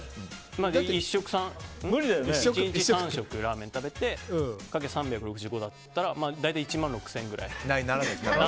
１日３食ラーメン食べてかける３６５だったら大体１万６０００ぐらい。